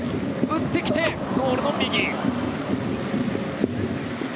打ってきて、ゴールの右。